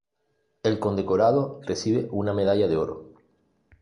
El condecorado recibe una medalla de oro.